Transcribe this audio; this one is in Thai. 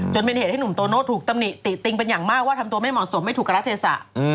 เป็นเหตุให้หนุ่มโตโน่ถูกตำหนิติติงเป็นอย่างมากว่าทำตัวไม่เหมาะสมไม่ถูกการรัฐเทศะ